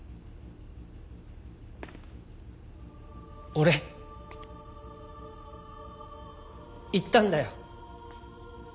俺行ったんだよ。